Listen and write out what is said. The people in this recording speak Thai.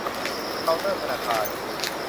เคาน์เตอร์ธนาคาร